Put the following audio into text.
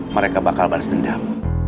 mereka bakal balas dendam